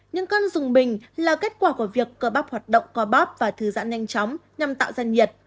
nhưng cân dùng bình là kết quả của việc cơ bắp hoạt động có bóp và thư giãn nhanh chóng nhằm tạo ra nhiệt